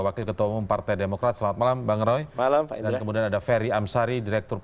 wakil ketua umum partai demokrat selamat malam bang roy malam dan kemudian ada ferry amsari direktur